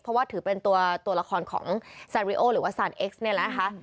เพราะว่าถือเป็นตัวละครของซานริโอหรือว่าซานเอ็กซ์เนี่ยนะคะ